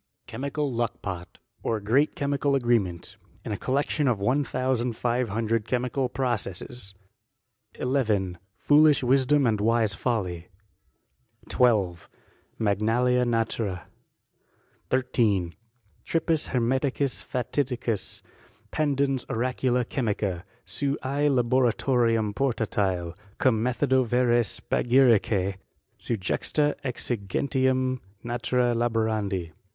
Chemical Luckpot, or great chemical agreement ; in a collection of one thousand five hundred chemical processes. 11. Foolish Wisdom and wise Folly, 12. Magnalia Naturee. 13. Tripus Hermeticus fatidicus pandens oracula chemica ; seu I. Laboratorium portatite, cum methodo vere spagyricte seu juxtaexigentiam naturee laborandi.